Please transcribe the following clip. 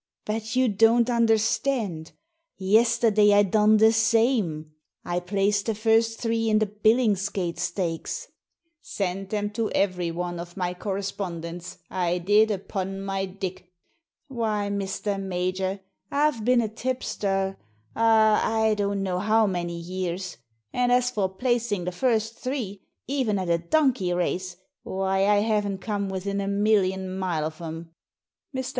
"But you don't understand. Yesterday I done the same. I placed the first three in the Billings 116 Digitized by VjOOQIC THE TIPSTER 117 gate Stakes; sent 'em to every one of my corre spondents, I did, upon my Dick ! Why, Mr. Major, I've been a tipster — ah, I don't know how many years — and as for placing the first three, even at a donkey race, why, I haven't come within a million mile of 'em." Mr.